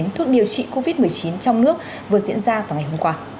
thuốc điều trị covid một mươi chín trong nước vừa diễn ra vào ngày hôm qua